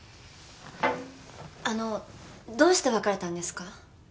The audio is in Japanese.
あのどうして別れたんですか？